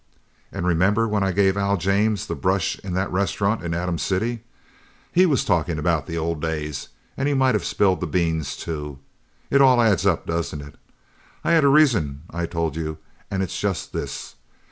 And remember, when I gave Al James the brush in that restaurant in Atom City? He was talking about the old days, and he might have spilled the beans too. It all adds up, doesn't it? I had a reason I told you and it's just this!